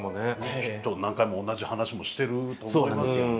きっと何回も同じ話もしてると思いますけどね。